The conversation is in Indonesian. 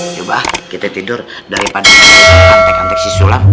coba kita tidur daripada nanti kante kante si sulam